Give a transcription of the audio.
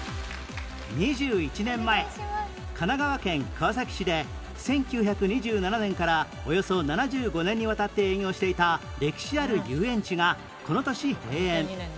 ２１年前神奈川県川崎市で１９２７年からおよそ７５年にわたって営業していた歴史ある遊園地がこの年閉園